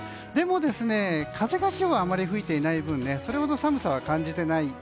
でも今日は風があまり吹いていない分それほど寒さは感じていない